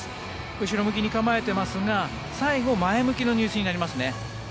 後ろ向きに構えていますが最後前向きの入水になりますね。